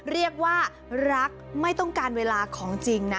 เรียกว่ารักไม่ต้องการเวลาของจริงนะ